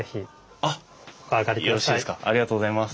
ありがとうございます。